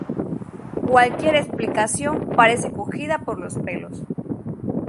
Cualquier explicación parece cogida por los pelos.